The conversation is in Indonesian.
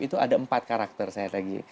itu ada empat karakter saya lagi